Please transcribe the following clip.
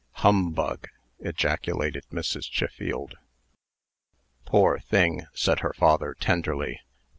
"Humbug!" ejaculated Mrs. Chiffield. "Poor thing!" said her father, tenderly.